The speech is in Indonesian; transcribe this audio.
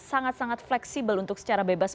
sangat sangat fleksibel untuk secara bebas